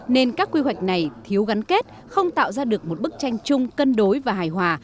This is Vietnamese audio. nên các quy hoạch này thiếu gắn kết không tạo ra được một bức tranh chung cân đối và hài hòa